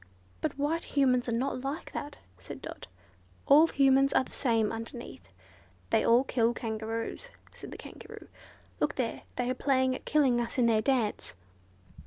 "But white Humans are not like that," said Dot. "All Humans are the same underneath, they all kill Kangaroos," said the Kangaroo. "Look there! They are playing at killing us in their dance."